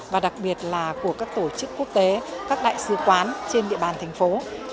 và đặc biệt là của các tổ chức quốc tế các đại sứ quán trên địa bàn thành phố